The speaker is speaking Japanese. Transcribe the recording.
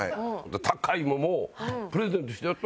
高い桃をプレゼントしてやった。